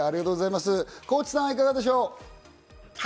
河内さん、いかがでしょう？